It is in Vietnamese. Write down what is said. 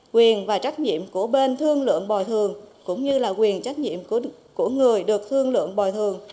quyền và trách nhiệm của bên thương lượng bồi thường cũng như là quyền trách nhiệm của người được thương lượng bồi thường